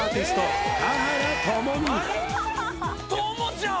朋ちゃん